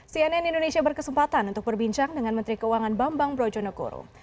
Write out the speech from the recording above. cnn indonesia berkesempatan untuk berbincang dengan menteri keuangan bambang brojonegoro